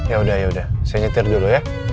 ya udah ya udah saya nyetir dulu ya